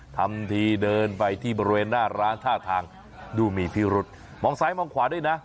ทำทีเดินไปที่บริเวณหน้าร้านท่าทางดูมีพิรุษมองซ้ายมองขวาด้วยนะ